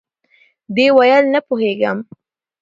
ده ویل، نه پوهېږم.